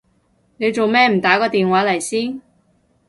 你做咩唔打個電話嚟先？